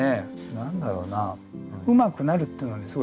何だろうな。